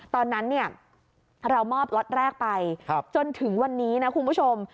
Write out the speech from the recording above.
ตอนนั้นเนี่ยเรามอบล็อตแรกไปจนถึงวันนี้นะคุณผู้ชม